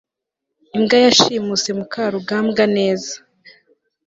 imbwa yashimuse mukarugambwa neza